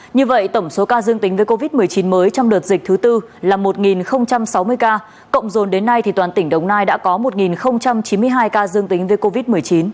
như vậy tổng số ca dương tính với covid một mươi chín mới trong đợt dịch thứ tư là một sáu mươi ca cộng dồn đến nay toàn tỉnh đồng nai đã có một chín mươi hai ca dương tính với covid một mươi chín